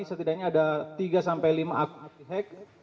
setidaknya ada tiga lima hack